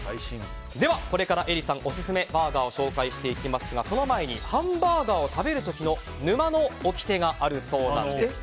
では、これからＥｒｉさんオススメバーガーを紹介していきますがその前にハンバーガーを食べる時の沼の掟があるそうなんです。